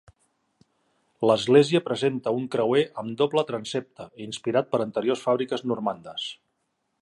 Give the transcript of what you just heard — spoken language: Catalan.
L'església presenta un creuer amb doble transsepte, inspirat per anteriors fàbriques normandes.